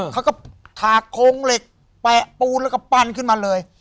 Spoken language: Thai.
เขาก็ถากโครงเหล็กแปะปูนแล้วก็ปั้นขึ้นมาเลย